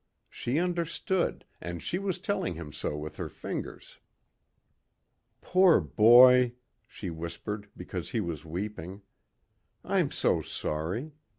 She understood and she was telling him so with her fingers. "Poor boy," she whispered because he was weeping. "I'm so sorry.